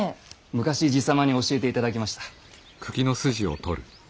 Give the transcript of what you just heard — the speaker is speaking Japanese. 昔爺様に教えていただきました。